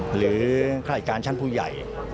หรือฆ่าอิดันการณ์ชั้นผู้ใหญ่